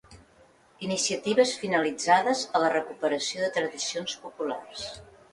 iniciatives finalitzades a la recuperació de tradicions populars